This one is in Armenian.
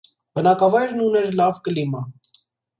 Բնակավայրն ուներ լավ կլիմա։